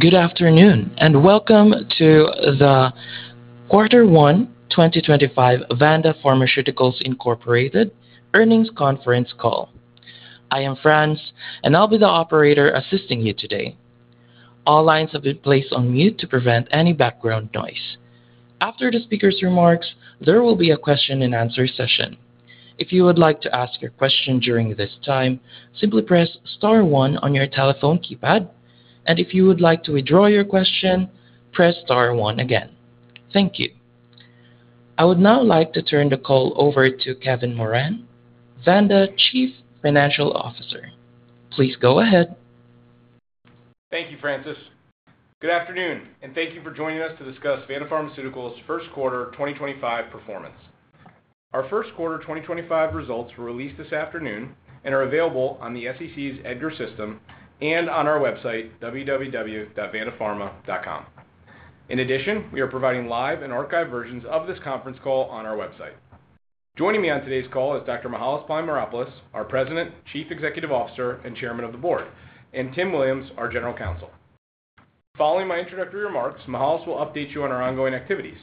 Good afternoon, and welcome to the quarter one, 2025, Vanda Pharmaceuticals earnings conference call. I am Frans, and I'll be the operator assisting you today. All lines have been placed on mute to prevent any background noise. After the speaker's remarks, there will be a question-and-answer session. If you would like to ask your question during this time, simply press star one on your telephone keypad, and if you would like to withdraw your question, press star one again. Thank you. I would now like to turn the call over to Kevin Moran, Vanda Chief Financial Officer. Please go ahead. Thank you, Frances. Good afternoon, and thank you for joining us to discuss Vanda Pharmaceuticals' first quarter 2025 performance. Our first quarter 2025 results were released this afternoon and are available on the SEC's EDGAR system and on our website, www.vandapharma.com. In addition, we are providing live and archived versions of this conference call on our website. Joining me on today's call is Dr. Mihael Polymeropoulos, our President, Chief Executive Officer, and Chairman of the Board, and Tim Williams, our General Counsel. Following my introductory remarks, Mihael will update you on our ongoing activities.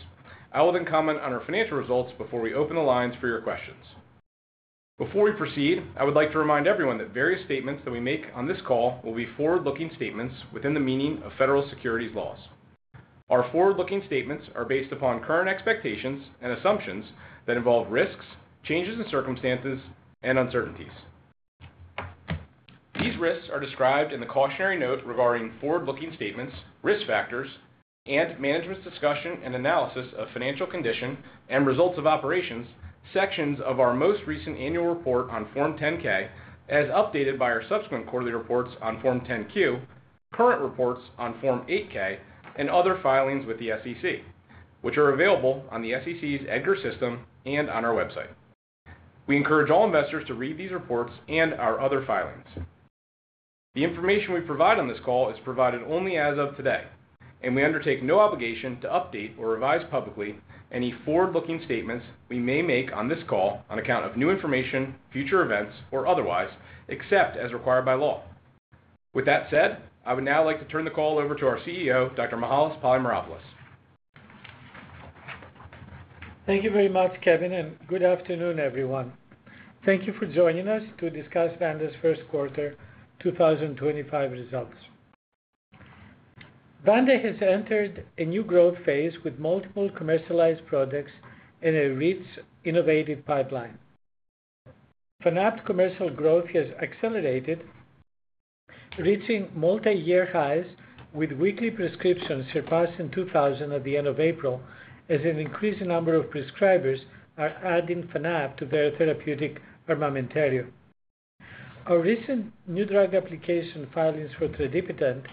I will then comment on our financial results before we open the lines for your questions. Before we proceed, I would like to remind everyone that various statements that we make on this call will be forward-looking statements within the meaning of federal securities laws. Our forward-looking statements are based upon current expectations and assumptions that involve risks, changes in circumstances, and uncertainties. These risks are described in the cautionary note regarding forward-looking statements, risk factors, and management's discussion and analysis of financial condition and results of operations, sections of our most recent annual report on Form 10-K, as updated by our subsequent quarterly reports on Form 10-Q, current reports on Form 8-K, and other filings with the SEC, which are available on the SEC's EDGAR system and on our website. We encourage all investors to read these reports and our other filings. The information we provide on this call is provided only as of today, and we undertake no obligation to update or revise publicly any forward-looking statements we may make on this call on account of new information, future events, or otherwise, except as required by law. With that said, I would now like to turn the call over to our CEO, Dr. Mihael Polymeropoulos. Thank you very much, Kevin, and good afternoon, everyone. Thank you for joining us to discuss Vanda's first quarter 2025 results. Vanda has entered a new growth phase with multiple commercialized products and a rich, innovative pipeline. Fanapt's commercial growth has accelerated, reaching multi-year highs, with weekly prescriptions surpassing 2,000 at the end of April, as an increasing number of prescribers are adding Fanapt to their therapeutic armamentarium. Our recent new drug application filings for tradipitant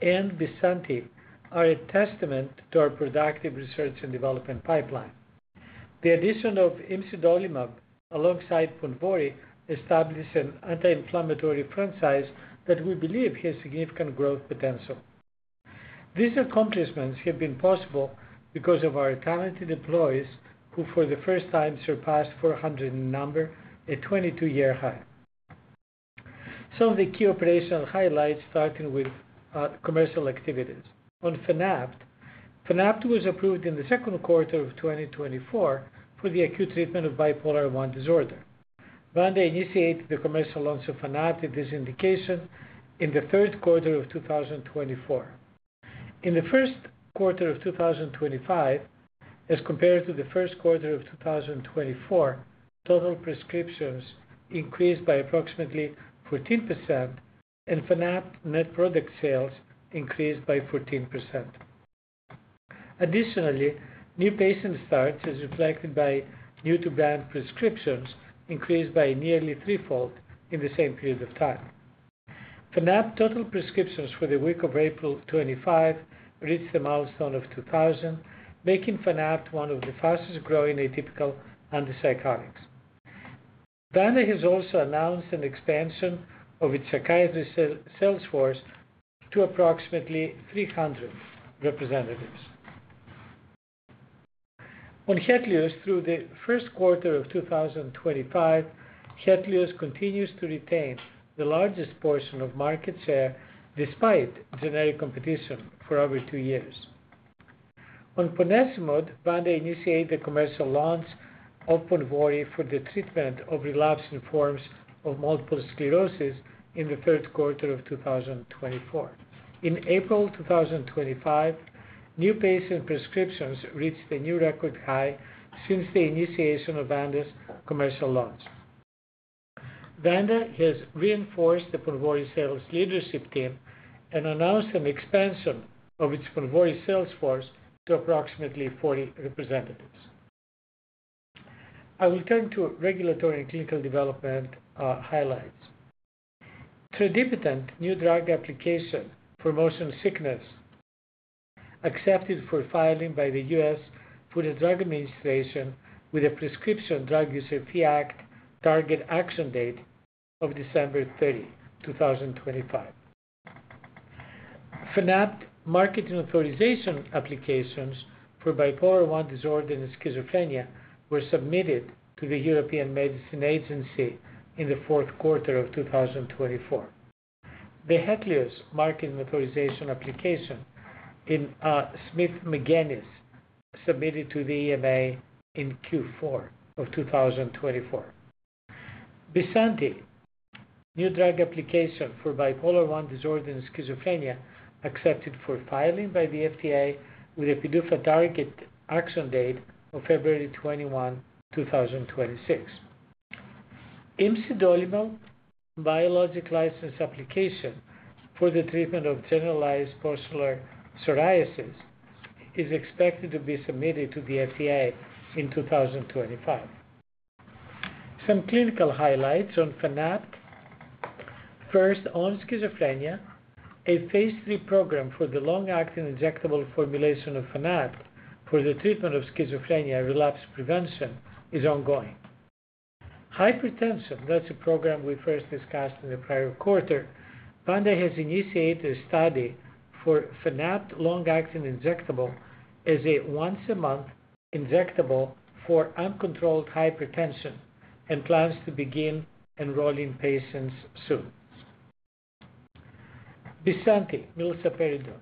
and Bysanti are a testament to our productive research and development pipeline. The addition of Imsidolimab alongside Ponvory establishes an anti-inflammatory franchise that we believe has significant growth potential. These accomplishments have been possible because of our talented employees who, for the first time, surpassed 400 in number, a 22-year high. Some of the key operational highlights starting with commercial activities. On Fanapt, Fanapt was approved in the second quarter of 2024 for the acute treatment of bipolar I disorder. Vanda initiated the commercial launch of Fanapt at this indication in the third quarter of 2024. In the first quarter of 2025, as compared to the first quarter of 2024, total prescriptions increased by approximately 14%, and Fanapt net product sales increased by 14%. Additionally, new patient starts as reflected by new-to-brand prescriptions increased by nearly threefold in the same period of time. Fanapt's total prescriptions for the week of April 25 reached the milestone of 2,000, making Fanapt one of the fastest-growing atypical antipsychotics. Vanda has also announced an expansion of its psychiatrist sales force to approximately 300 representatives. On Hetlioz, through the first quarter of 2025, Hetlioz continues to retain the largest portion of market share despite generic competition for over two years. On Ponvory, Vanda initiated the commercial launch of Ponvory for the treatment of relapsing forms of multiple sclerosis in the third quarter of 2024. In April 2025, new patient prescriptions reached a new record high since the initiation of Vanda's commercial launch. Vanda has reinforced the Ponvory sales leadership team and announced an expansion of its Ponvory sales force to approximately 40 representatives. I will turn to regulatory and clinical development highlights. Tradipitant, new drug application for motion sickness, accepted for filing by the U.S. Food and Drug Administration with a Prescription Drug User Fee Act target action date of December 30, 2025. Fanapt marketing authorization applications for bipolar I disorder and schizophrenia were submitted to the European Medicines Agency in the fourth quarter of 2024. The Hetlioz marketing authorization application in Smith-Magenis syndrome submitted to the EMA in Q4 of 2024. Bysanti, new drug application for bipolar I disorder and schizophrenia, accepted for filing by the FDA with Epidau target action date of February 21, 2026. Imsidolimab biologic license application for the treatment of generalized pustular psoriasis is expected to be submitted to the FDA in 2025. Some clinical highlights on Fanapt: first, on schizophrenia, a phase III program for the long-acting injectable formulation of Fanapt for the treatment of schizophrenia relapse prevention is ongoing. Hypertension, that's a program we first discussed in the prior quarter. Vanda has initiated a study for Fanapt long-acting injectable as a once-a-month injectable for uncontrolled hypertension and plans to begin enrolling patients soon. Bysanti, milsaperidone.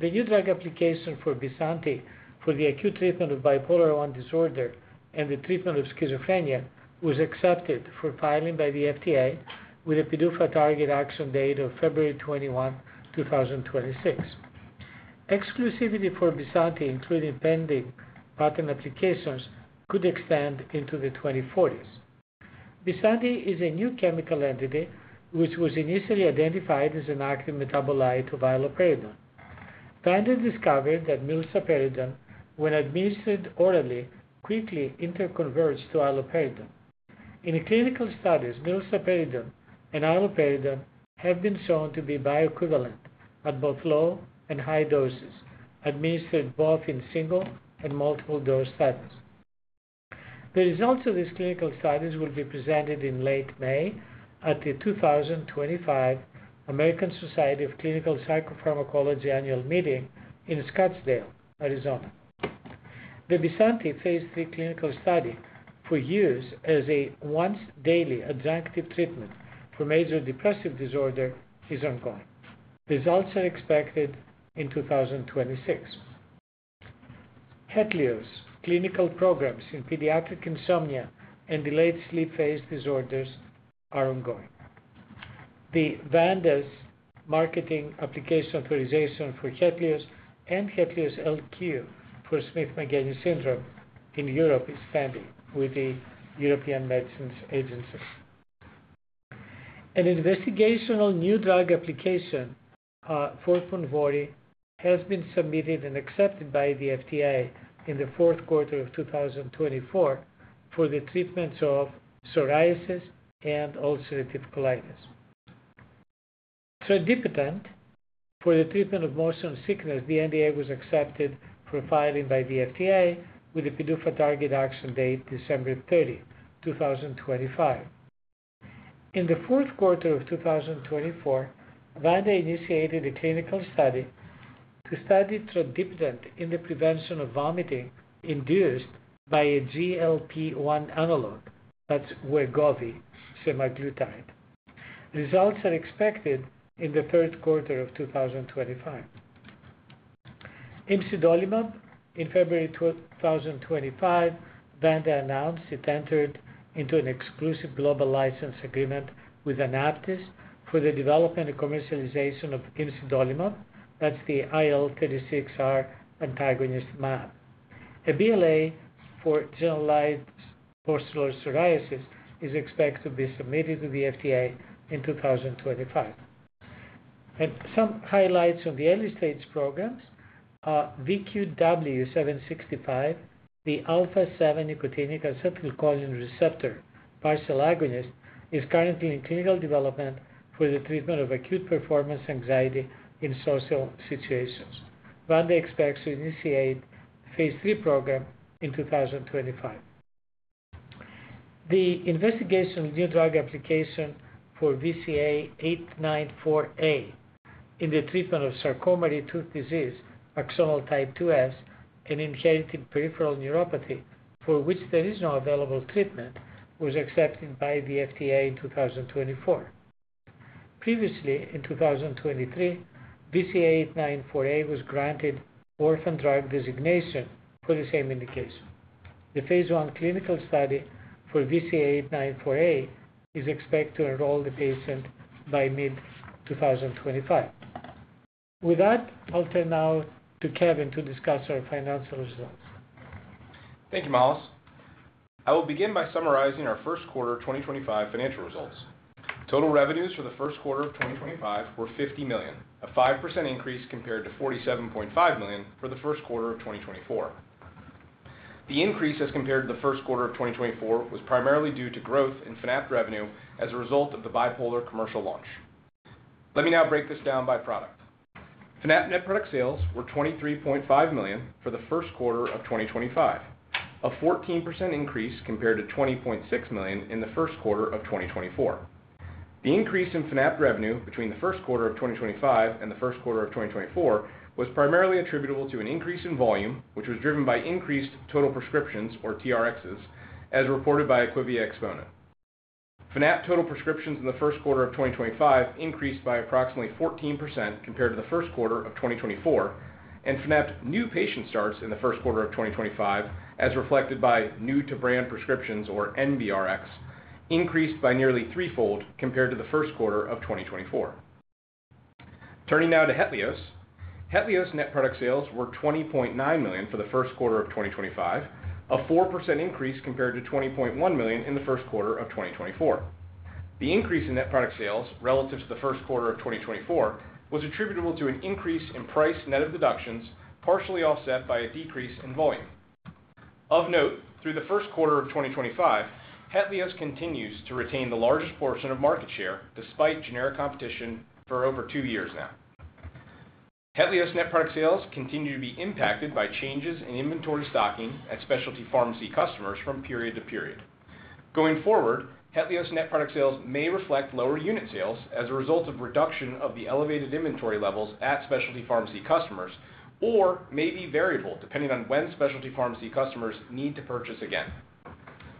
The new drug application for Bysanti for the acute treatment of bipolar I disorder and the treatment of schizophrenia was accepted for filing by the FDA with Epidau target action date of February 21, 2026. Exclusivity for Bysanti, including pending patent applications, could extend into the 2040s. Bysanti is a new chemical entity which was initially identified as an active metabolite of allopurinol. Vanda discovered that milsaperidone, when administered orally, quickly interconverts to allopurinol. In clinical studies, milsaperidone and allopurinol have been shown to be bioequivalent at both low and high doses, administered both in single and multiple dose settings. The results of this clinical study will be presented in late May at the 2025 American Society of Clinical Psychopharmacology annual meeting in Scottsdale, Arizona. The Bysanti phase III clinical study for use as a once-daily adjunctive treatment for major depressive disorder is ongoing. Results are expected in 2026. Hetlioz clinical programs in pediatric insomnia and delayed sleep phase disorders are ongoing. Vanda's marketing authorization application for Hetlioz and Hetlioz LQ for Smith-Magenis syndrome in Europe is pending with the European Medicines Agency. An investigational new drug application for Ponvory has been submitted and accepted by the FDA in the fourth quarter of 2024 for the treatment of psoriasis and ulcerative colitis. Tradipitant for the treatment of motion sickness, the NDA was accepted for filing by the FDA with Epidau target action date December 30, 2025. In the fourth quarter of 2024, Vanda initiated a clinical study to study tradipitant in the prevention of vomiting induced by a GLP-1 analog, that's Wegovy semaglutide. Results are expected in the third quarter of 2025. Imsidolimab in February 2025, Vanda announced it entered into an exclusive global license agreement with AnaptysBio for the development and commercialization of Imsidolimab, that's the IL-36R antagonist map. A BLA for generalized pustular psoriasis is expected to be submitted to the FDA in 2025. Some highlights on the early stage programs: VQW-765, the alpha-seven nicotinic acetylcholine receptor partial agonist, is currently in clinical development for the treatment of acute performance anxiety in social situations. Vanda expects to initiate phase III program in 2025. The investigational new drug application for VCA894A in the treatment of Charcot-Marie-Tooth disease, axonal type 2S, an inherited peripheral neuropathy for which there is no available treatment, was accepted by the FDA in 2024. Previously, in 2023, VCA894A was granted orphan drug designation for the same indication. The phase I clinical study for VCA894A is expected to enroll the patient by mid-2025. With that, I'll turn now to Kevin to discuss our financial results. Thank you, Mahales. I will begin by summarizing our first quarter 2025 financial results. Total revenues for the first quarter of 2025 were $50 million, a 5% increase compared to $47.5 million for the first quarter of 2024. The increase, as compared to the first quarter of 2024, was primarily due to growth in Fanapt revenue as a result of the bipolar commercial launch. Let me now break this down by product. Fanapt net product sales were $23.5 million for the first quarter of 2025, a 14% increase compared to $20.6 million in the first quarter of 2024. The increase in Fanapt revenue between the first quarter of 2025 and the first quarter of 2024 was primarily attributable to an increase in volume, which was driven by increased total prescriptions, or TRx, as reported by IQVIA Exponent. Fanapt total prescriptions in the first quarter of 2025 increased by approximately 14% compared to the first quarter of 2024, and Fanapt new patient starts in the first quarter of 2025, as reflected by new-to-brand prescriptions, or NBRx, increased by nearly threefold compared to the first quarter of 2024. Turning now to Hetlioz, Hetlioz net product sales were $20.9 million for the first quarter of 2025, a 4% increase compared to $20.1 million in the first quarter of 2024. The increase in net product sales relative to the first quarter of 2024 was attributable to an increase in price net of deductions, partially offset by a decrease in volume. Of note, through the first quarter of 2025, Hetlioz continues to retain the largest portion of market share despite generic competition for over two years now. Hetlioz net product sales continue to be impacted by changes in inventory stocking at specialty pharmacy customers from period to period. Going forward, Hetlioz net product sales may reflect lower unit sales as a result of reduction of the elevated inventory levels at specialty pharmacy customers or may be variable depending on when specialty pharmacy customers need to purchase again.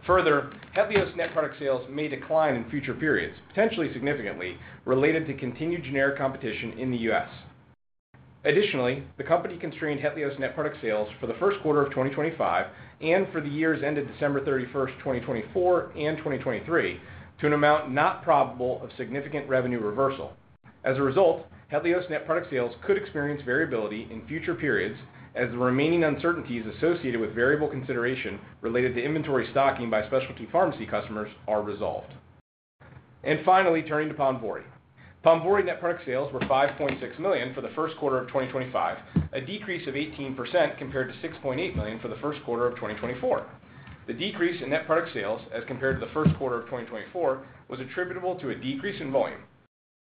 Further, Hetlioz net product sales may decline in future periods, potentially significantly related to continued generic competition in the U.S. Additionally, the company constrained Hetlioz net product sales for the first quarter of 2025 and for the years ended December 31st, 2024 and 2023, to an amount not probable of significant revenue reversal. As a result, Hetlioz net product sales could experience variability in future periods as the remaining uncertainties associated with variable consideration related to inventory stocking by specialty pharmacy customers are resolved. Finally, turning to Ponvory. Ponvory net product sales were $5.6 million for the first quarter of 2025, a decrease of 18% compared to $6.8 million for the first quarter of 2024. The decrease in net product sales as compared to the first quarter of 2024 was attributable to a decrease in volume.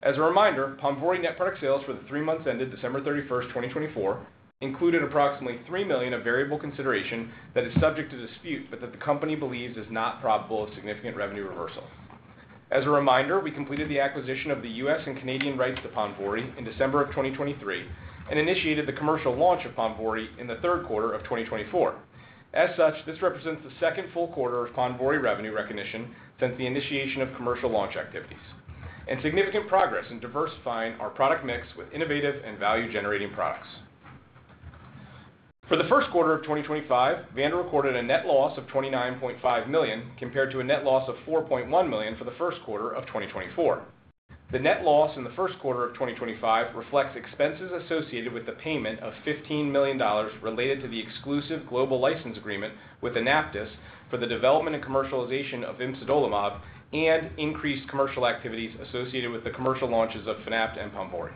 As a reminder, Ponvory net product sales for the three months ended December 31st, 2024, included approximately $3 million of variable consideration that is subject to dispute, but that the company believes is not probable of significant revenue reversal. As a reminder, we completed the acquisition of the U.S. and Canadian rights to Ponvory in December of 2023 and initiated the commercial launch of Ponvory in the third quarter of 2024. As such, this represents the second full quarter of Ponvory revenue recognition since the initiation of commercial launch activities and significant progress in diversifying our product mix with innovative and value-generating products. For the first quarter of 2025, Vanda recorded a net loss of $29.5 million compared to a net loss of $4.1 million for the first quarter of 2024. The net loss in the first quarter of 2025 reflects expenses associated with the payment of $15 million related to the exclusive global license agreement with AnaptysBio for the development and commercialization of Imsidolimab and increased commercial activities associated with the commercial launches of Fanapt and Ponvory.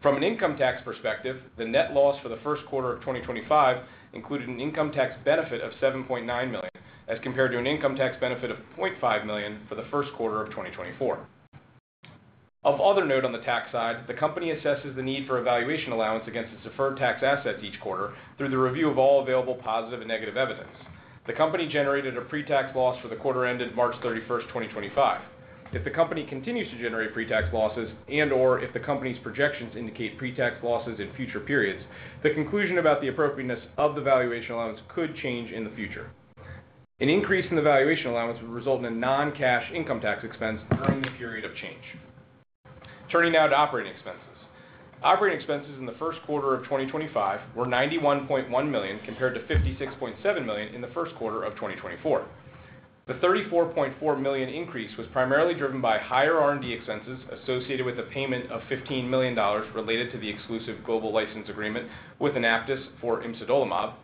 From an income tax perspective, the net loss for the first quarter of 2025 included an income tax benefit of $7.9 million as compared to an income tax benefit of $0.5 million for the first quarter of 2024. Of other note on the tax side, the company assesses the need for valuation allowance against its deferred tax assets each quarter through the review of all available positive and negative evidence. The company generated a pre-tax loss for the quarter ended March 31, 2025. If the company continues to generate pre-tax losses and/or if the company's projections indicate pre-tax losses in future periods, the conclusion about the appropriateness of the valuation allowance could change in the future. An increase in the valuation allowance would result in a non-cash income tax expense during the period of change. Turning now to operating expenses. Operating expenses in the first quarter of 2025 were $91.1 million compared to $56.7 million in the first quarter of 2024. The $34.4 million increase was primarily driven by higher R&D expenses associated with the payment of $15 million related to the exclusive global license agreement with AnaptysBio for Imsidolimab,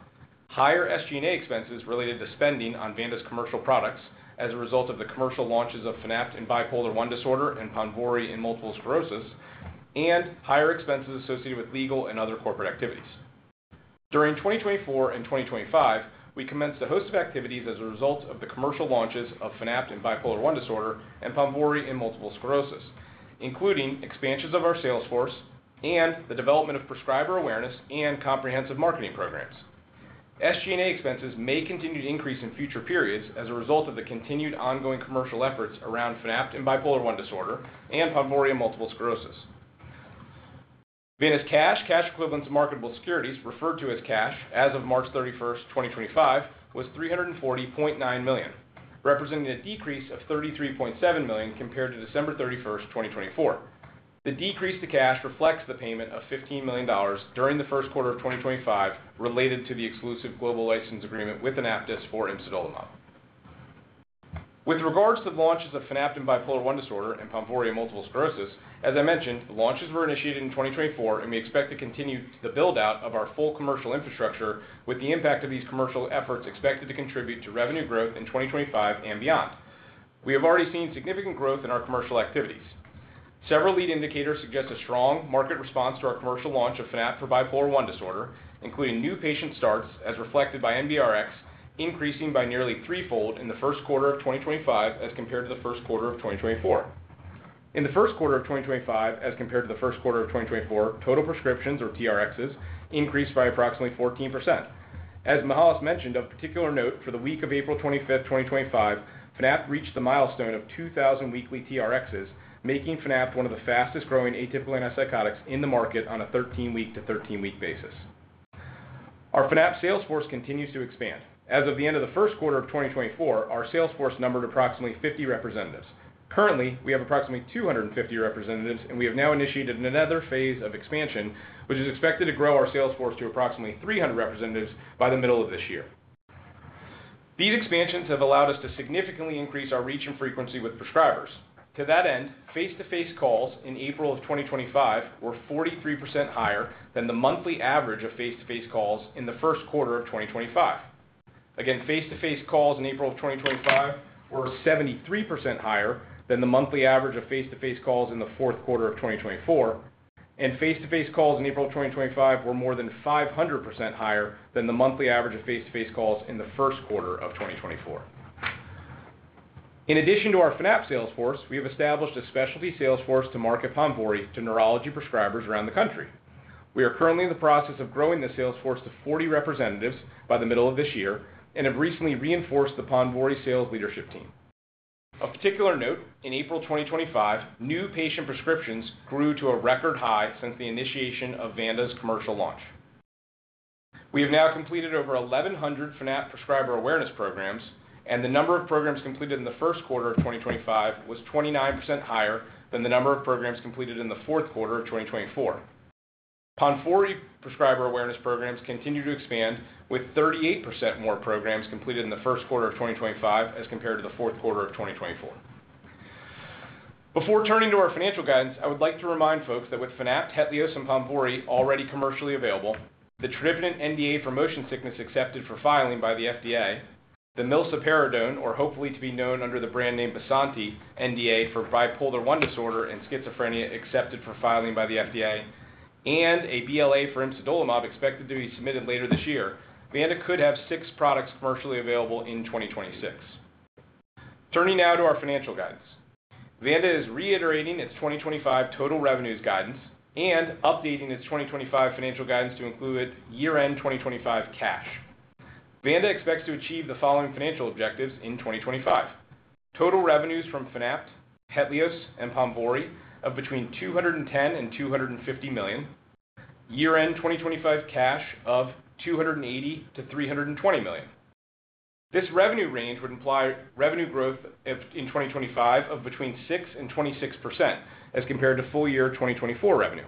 higher SG&A expenses related to spending on Vanda's commercial products as a result of the commercial launches of Fanapt in bipolar I disorder and Ponvory in multiple sclerosis, and higher expenses associated with legal and other corporate activities. During 2024 and 2025, we commenced a host of activities as a result of the commercial launches of Fanapt in bipolar I disorder and Ponvory in multiple sclerosis, including expansions of our sales force and the development of prescriber awareness and comprehensive marketing programs. SG&A expenses may continue to increase in future periods as a result of the continued ongoing commercial efforts around Fanapt in bipolar I disorder and Ponvory in multiple sclerosis. Vanda's cash, cash equivalents, or marketable securities referred to as cash as of March 31st, 2025, was $340.9 million, representing a decrease of $33.7 million compared to December 31st, 2024. The decrease to cash reflects the payment of $15 million during the first quarter of 2025 related to the exclusive global license agreement with AnaptysBio for Imsidolimab. With regards to the launches of Fanapt in bipolar I disorder and Ponvory in multiple sclerosis, as I mentioned, the launches were initiated in 2024, and we expect to continue the build-out of our full commercial infrastructure with the impact of these commercial efforts expected to contribute to revenue growth in 2025 and beyond. We have already seen significant growth in our commercial activities. Several lead indicators suggest a strong market response to our commercial launch of Fanapt for bipolar I disorder, including new patient starts as reflected by NBRx, increasing by nearly threefold in the first quarter of 2025 as compared to the first quarter of 2024. In the first quarter of 2025, as compared to the first quarter of 2024, total prescriptions, or TRx, increased by approximately 14%. As Mihael mentioned, of particular note, for the week of April 25, 2025, Fanapt reached the milestone of 2,000 weekly TRx, making Fanapt one of the fastest-growing atypical antipsychotics in the market on a 13-week-to-13-week basis. Our Fanapt sales force continues to expand. As of the end of the first quarter of 2024, our sales force numbered approximately 50 representatives. Currently, we have approximately 250 representatives, and we have now initiated another phase of expansion, which is expected to grow our sales force to approximately 300 representatives by the middle of this year. These expansions have allowed us to significantly increase our reach and frequency with prescribers. To that end, face-to-face calls in April of 2025 were 43% higher than the monthly average of face-to-face calls in the first quarter of 2025. Again, face-to-face calls in April of 2025 were 73% higher than the monthly average of face-to-face calls in the fourth quarter of 2024, and face-to-face calls in April of 2025 were more than 500% higher than the monthly average of face-to-face calls in the first quarter of 2024. In addition to our Fanapt sales force, we have established a specialty sales force to market Ponvory to neurology prescribers around the country. We are currently in the process of growing the sales force to 40 representatives by the middle of this year and have recently reinforced the Ponvory sales leadership team. Of particular note, in April 2025, new patient prescriptions grew to a record high since the initiation of Vanda's commercial launch. We have now completed over 1,100 Fanapt prescriber awareness programs, and the number of programs completed in the first quarter of 2025 was 29% higher than the number of programs completed in the fourth quarter of 2024. Ponvory prescriber awareness programs continue to expand, with 38% more programs completed in the first quarter of 2025 as compared to the fourth quarter of 2024. Before turning to our financial guidance, I would like to remind folks that with Fanapt, Hetlioz, and Ponvory already commercially available, the tradipitant NDA for motion sickness accepted for filing by the FDA, the milsaperidone, or hopefully to be known under the brand name Bysanti, NDA for bipolar I disorder and schizophrenia accepted for filing by the FDA, and a BLA for Imsidolimab expected to be submitted later this year, Vanda could have six products commercially available in 2026. Turning now to our financial guidance, Vanda is reiterating its 2025 total revenues guidance and updating its 2025 financial guidance to include year-end 2025 cash. Vanda expects to achieve the following financial objectives in 2025: total revenues from Fanapt, Hetlioz, and Ponvory of between $210 million-$250 million, year-end 2025 cash of $280 million-$320 million. This revenue range would imply revenue growth in 2025 of between 6%-26% as compared to full-year 2024 revenue.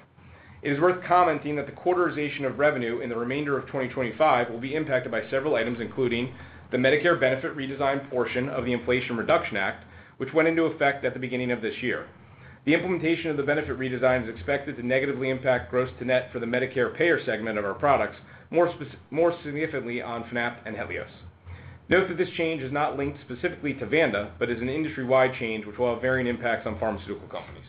It is worth commenting that the quarterization of revenue in the remainder of 2025 will be impacted by several items, including the Medicare benefit redesign portion of the Inflation Reduction Act, which went into effect at the beginning of this year. The implementation of the benefit redesign is expected to negatively impact gross to net for the Medicare payer segment of our products, more significantly on Fanapt and Hetlioz. Note that this change is not linked specifically to Vanda but is an industry-wide change which will have varying impacts on pharmaceutical companies.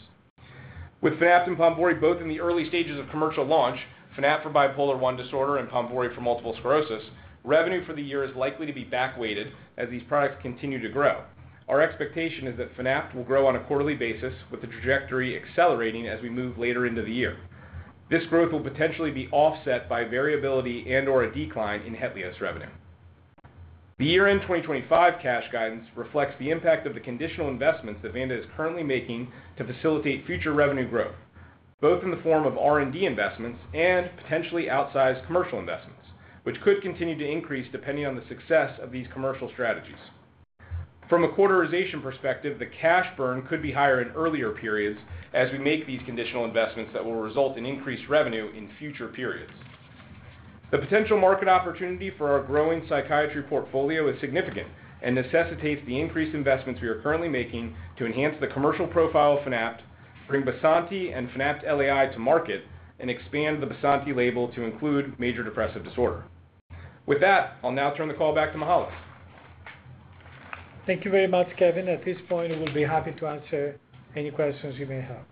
With Fanapt and Ponvory both in the early stages of commercial launch, Fanapt for bipolar I disorder and Ponvory for multiple sclerosis, revenue for the year is likely to be back-weighted as these products continue to grow. Our expectation is that Fanapt will grow on a quarterly basis, with the trajectory accelerating as we move later into the year. This growth will potentially be offset by variability and/or a decline in Hetlioz revenue. The year-end 2025 cash guidance reflects the impact of the conditional investments that Vanda is currently making to facilitate future revenue growth, both in the form of R&D investments and potentially outsized commercial investments, which could continue to increase depending on the success of these commercial strategies. From a quarterization perspective, the cash burn could be higher in earlier periods as we make these conditional investments that will result in increased revenue in future periods. The potential market opportunity for our growing psychiatry portfolio is significant and necessitates the increased investments we are currently making to enhance the commercial profile of Fanapt, bring Bysanti and Fanapt LAI to market, and expand the Bysanti label to include major depressive disorder. With that, I'll now turn the call back to Mihael. Thank you very much, Kevin. At this point, we'll be happy to answer any questions you may have.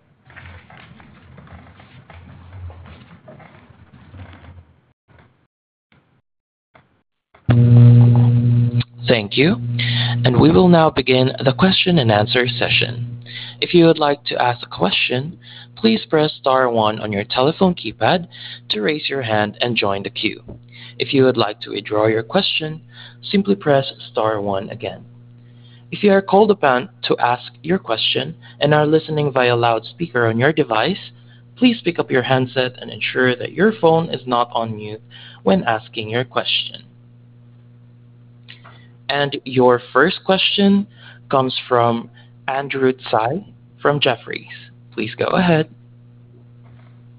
Thank you. We will now begin the question-and-answer session. If you would like to ask a question, please press star one on your telephone keypad to raise your hand and join the queue. If you would like to withdraw your question, simply press star one again. If you are called upon to ask your question and are listening via loudspeaker on your device, please pick up your handset and ensure that your phone is not on mute when asking your question. Your first question comes from Andrew Tsai from Jefferies. Please go ahead.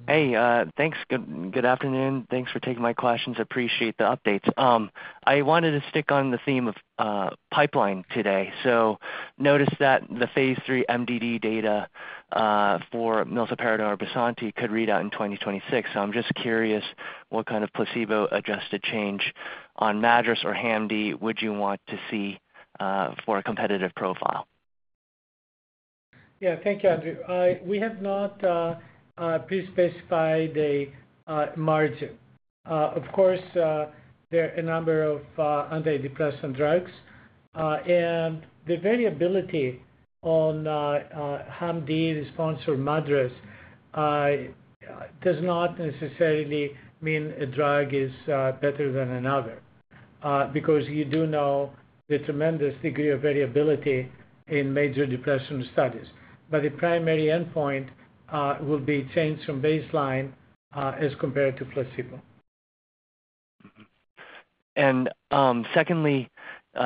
Hey, thanks. Good afternoon. Thanks for taking my questions. Appreciate the updates. I wanted to stick on the theme of pipeline today. I noticed that the phase three MDD data for milsaperidone or Bysanti could read out in 2026. I am just curious what kind of placebo-adjusted change on MADRS or HamD would you want to see for a competitive profile. Yeah, thank you, Andrew. We have not pre-specified the margin. Of course, there are a number of antidepressant drugs, and the variability on HamD, response, MADRS does not necessarily mean a drug is better than another because you do know the tremendous degree of variability in major depression studies. The primary endpoint will be change from baseline as compared to placebo. Secondly,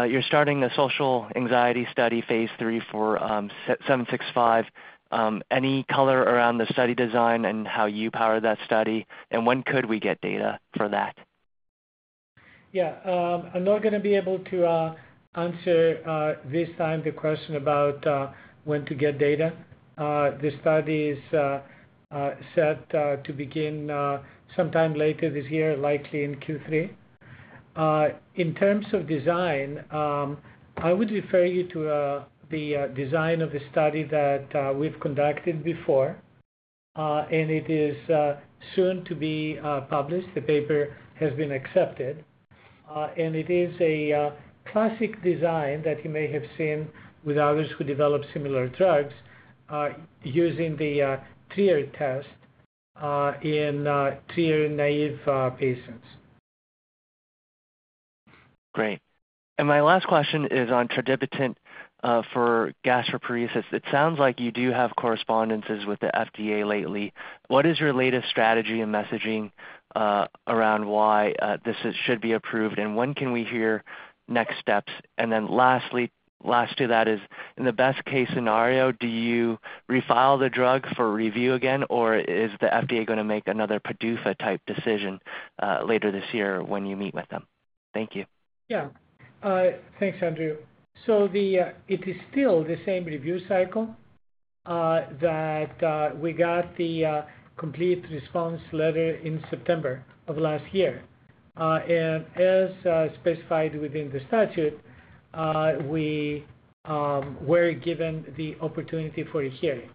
you're starting a social anxiety study phase three for 765. Any color around the study design and how you power that study? When could we get data for that? Yeah. I'm not going to be able to answer this time the question about when to get data. The study is set to begin sometime later this year, likely in Q3. In terms of design, I would refer you to the design of the study that we've conducted before, and it is soon to be published. The paper has been accepted. It is a classic design that you may have seen with others who develop similar drugs using the Trier test in Trier naive patients. Great. My last question is on tradipitant for gastroparesis. It sounds like you do have correspondences with the FDA lately. What is your latest strategy and messaging around why this should be approved, and when can we hear next steps? Lastly, last to that is, in the best-case scenario, do you refile the drug for review again, or is the FDA going to make another PDUFA-type decision later this year when you meet with them? Thank you. Yeah. Thanks, Andrew. It is still the same review cycle that we got the complete response letter in September of last year. As specified within the statute, we were given the opportunity for a hearing.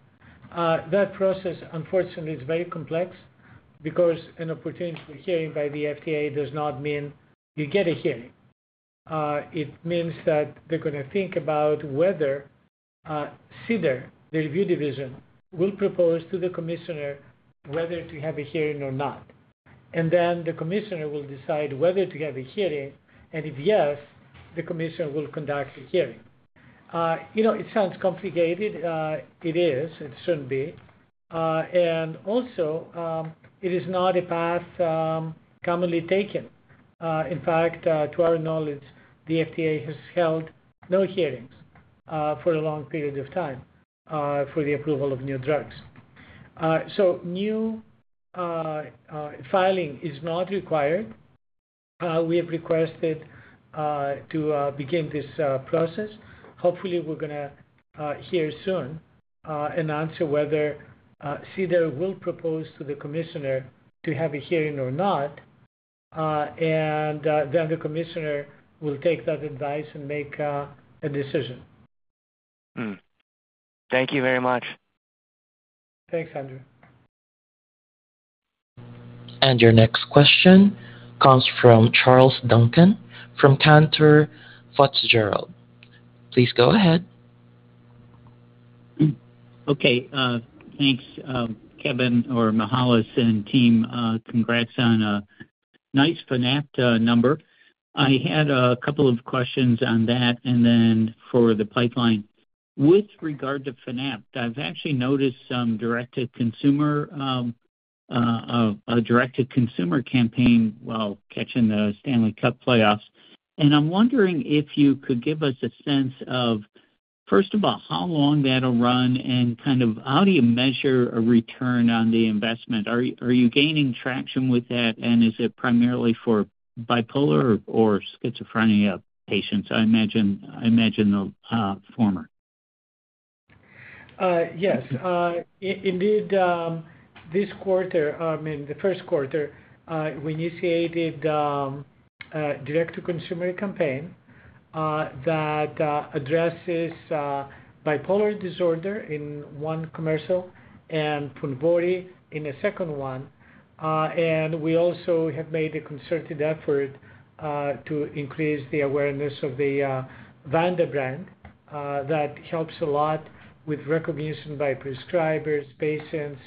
That process, unfortunately, is very complex because an opportunity for hearing by the FDA does not mean you get a hearing. It means that they're going to think about whether CDER, the review division, will propose to the commissioner whether to have a hearing or not. The commissioner will decide whether to have a hearing, and if yes, the commissioner will conduct a hearing. It sounds complicated. It is. It shouldn't be. Also, it is not a path commonly taken. In fact, to our knowledge, the FDA has held no hearings for a long period of time for the approval of new drugs. New filing is not required. We have requested to begin this process. Hopefully, we're going to hear soon and answer whether CDER will propose to the commissioner to have a hearing or not, and then the commissioner will take that advice and make a decision. Thank you very much. Thanks, Andrew. Your next question comes from Charles Duncan from Cantor Fitzgerald. Please go ahead. Okay. Thanks, Kevin or Mihael and team. Congrats on a nice Fanapt number. I had a couple of questions on that and then for the pipeline. With regard to Fanapt, I've actually noticed some direct-to-consumer campaign while catching the Stanley Cup playoffs. I'm wondering if you could give us a sense of, first of all, how long that'll run and kind of how do you measure a return on the investment? Are you gaining traction with that, and is it primarily for bipolar or schizophrenia patients? I imagine the former. Yes. Indeed, this quarter, I mean, the first quarter, we initiated a direct-to-consumer campaign that addresses bipolar disorder in one commercial and Ponvory in a second one. We also have made a concerted effort to increase the awareness of the Vanda brand that helps a lot with recognition by prescribers, patients,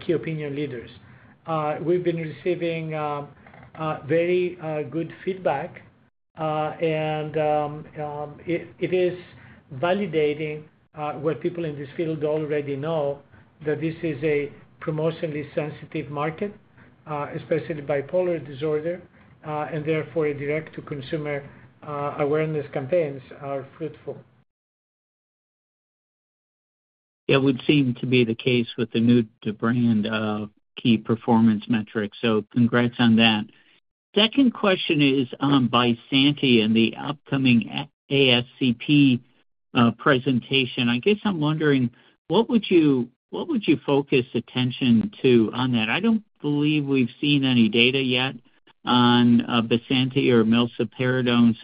key opinion leaders. We've been receiving very good feedback, and it is validating what people in this field already know, that this is a promotionally sensitive market, especially bipolar disorder, and therefore direct-to-consumer awareness campaigns are fruitful. It would seem to be the case with the new brand key performance metrics. Congrats on that. Second question is on Bysanti and the upcoming ASCP presentation. I guess I'm wondering, what would you focus attention to on that? I don't believe we've seen any data yet on Bysanti or milsaperidone.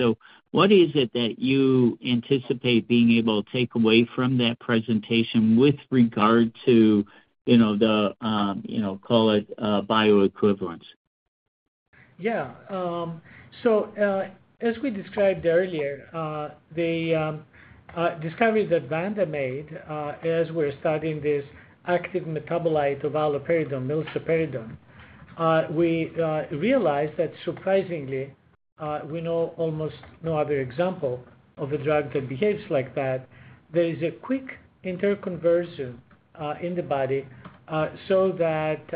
What is it that you anticipate being able to take away from that presentation with regard to the, call it, bioequivalents? Yeah. As we described earlier, the discovery that Vanda made, as we're studying this active metabolite of allopurinol, milsaperidone, we realized that surprisingly, we know almost no other example of a drug that behaves like that. There is a quick interconversion in the body so that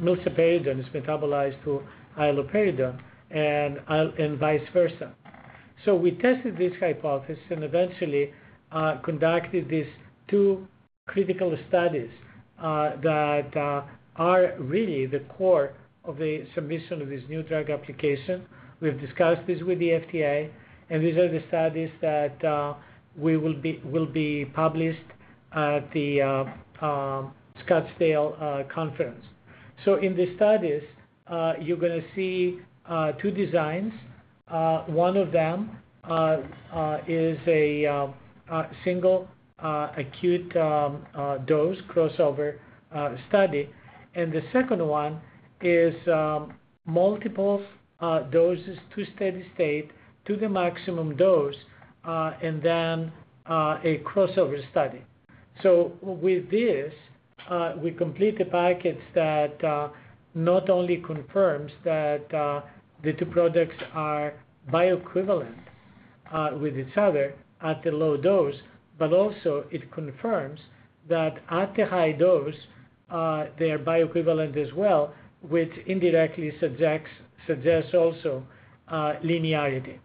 milsaperidone is metabolized to allopurinol and vice versa. We tested this hypothesis and eventually conducted these two critical studies that are really the core of the submission of this new drug application. We've discussed this with the FDA, and these are the studies that will be published at the Scottsdale Conference. In the studies, you're going to see two designs. One of them is a single acute dose crossover study, and the second one is multiple doses to steady state to the maximum dose and then a crossover study. With this, we complete the package that not only confirms that the two products are bioequivalent with each other at the low dose, but also it confirms that at the high dose, they are bioequivalent as well, which indirectly suggests also linearity.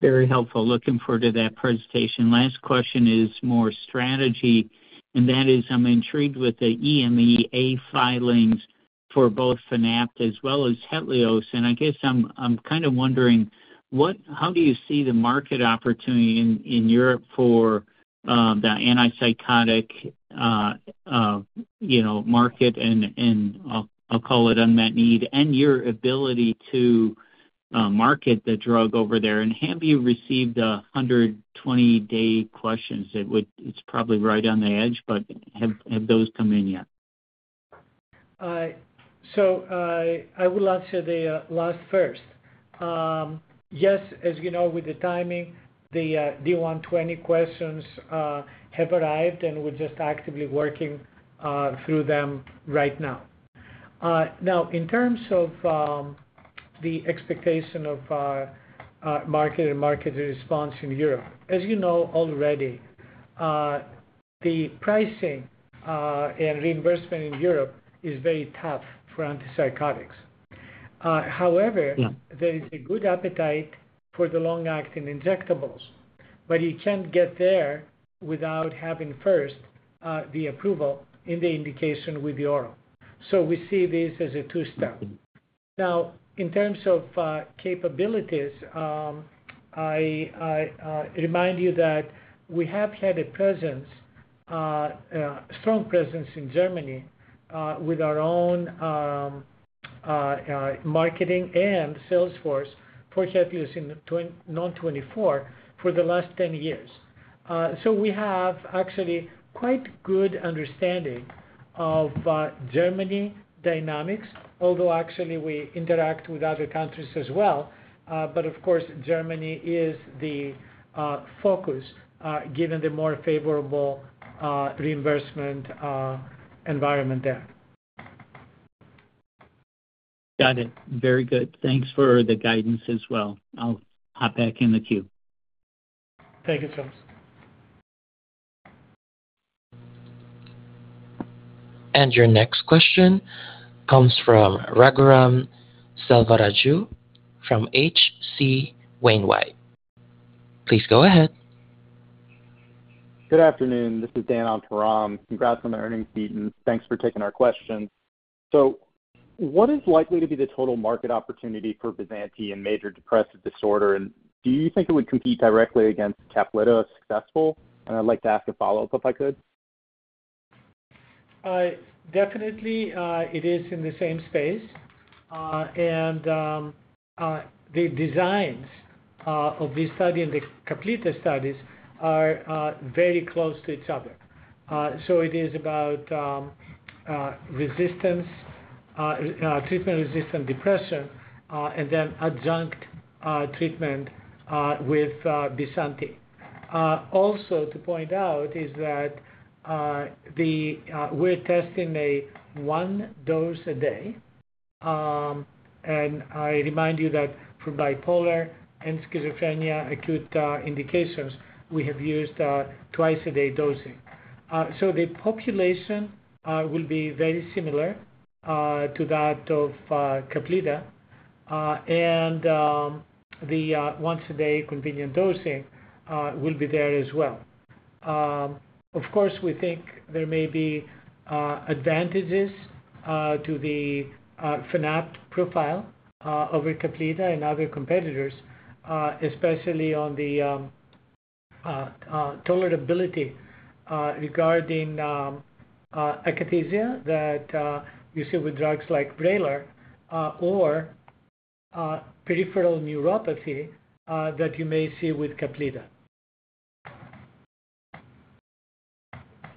Very helpful. Looking forward to that presentation. Last question is more strategy, and that is I'm intrigued with the EMEA filings for both Fanapt as well as Hetlioz. I guess I'm kind of wondering, how do you see the market opportunity in Europe for the antipsychotic market and I'll call it unmet need and your ability to market the drug over there? Have you received the 120-day questions? It's probably right on the edge, but have those come in yet? I would love to see the last first. Yes, as you know, with the timing, the 120 questions have arrived, and we're just actively working through them right now. In terms of the expectation of market and market response in Europe, as you know already, the pricing and reimbursement in Europe is very tough for antipsychotics. However, there is a good appetite for the long-acting injectables, but you can't get there without having first the approval in the indication with the oral. We see this as a two-step. In terms of capabilities, I remind you that we have had a strong presence in Germany with our own marketing and sales force for Hetlioz in 2024 for the last 10 years. We have actually quite good understanding of Germany dynamics, although actually we interact with other countries as well. Of course, Germany is the focus given the more favorable reimbursement environment there. Got it. Very good. Thanks for the guidance as well. I'll hop back in the queue. Thank you, Charles. Your next question comes from Raghuram Selvaraju from HC Wainwright. Please go ahead. Good afternoon. This is Dan Al-Tahram. Congrats on the earnings meeting. Thanks for taking our questions. What is likely to be the total market opportunity for Bysanti in major depressive disorder? Do you think it would compete directly against tradipitant if successful? I'd like to ask a follow-up if I could. Definitely, it is in the same space. The designs of these studies and the complete studies are very close to each other. It is about treatment-resistant depression and then adjunct treatment with Bysanti. Also, to point out is that we're testing a one dose a day. I remind you that for bipolar and schizophrenia acute indications, we have used twice-a-day dosing. The population will be very similar to that of tradipitant, and the once-a-day convenient dosing will be there as well. Of course, we think there may be advantages to the Fanapt profile over tradipitant and other competitors, especially on the tolerability regarding akathisia that you see with drugs like Braylor or peripheral neuropathy that you may see with tradipitant.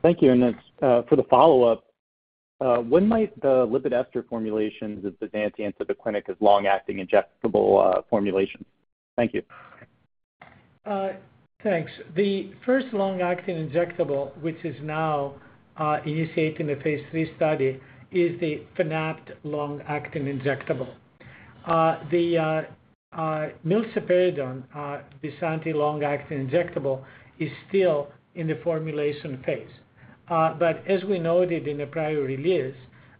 Thank you. For the follow-up, when might the lipid ester formulations of Bysanti enter the clinic as long-acting injectable formulations? Thank you. Thanks. The first long-acting injectable, which is now initiating the phase three study, is the Fanapt long-acting injectable. The milsaperidone Bysanti long-acting injectable is still in the formulation phase. As we noted in the prior release,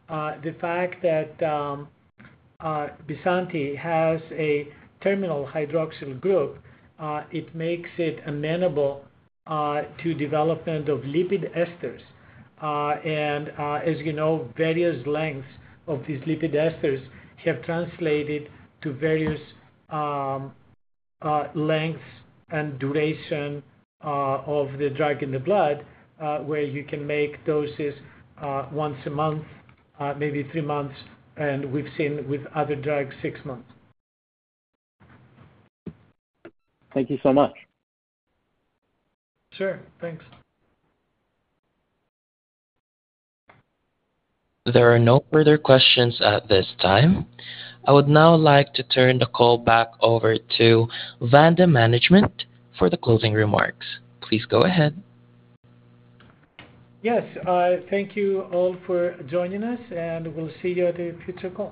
the fact that Bysanti has a terminal hydroxyl group makes it amenable to development of lipid esters. As you know, various lengths of these lipid esters have translated to various lengths and duration of the drug in the blood where you can make doses once a month, maybe three months, and we have seen with other drugs six months. Thank you so much. Sure. Thanks. There are no further questions at this time. I would now like to turn the call back over to Vanda management for the closing remarks. Please go ahead. Yes. Thank you all for joining us, and we will see you at a future call.